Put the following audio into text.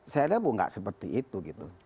saya dapet bu nggak seperti itu gitu